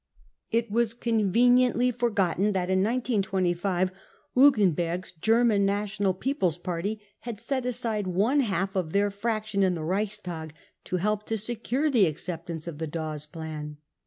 It was conveniently forgotten that in 1925 Hugen berg's German National People's Party had set aside one half of their fraction in the Reichstag to help to secure the acceptance of the Dawes Plan.